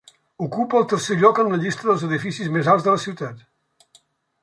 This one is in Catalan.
Ocupa el tercer lloc en la llista dels edificis més alts de la ciutat.